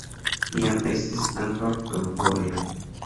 Iam estis ankaŭ fervojo.